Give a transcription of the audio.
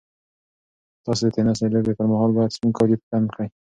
تاسو د تېنس د لوبې پر مهال باید سپین کالي په تن کړئ.